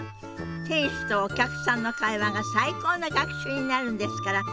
店主とお客さんの会話が最高の学習になるんですから。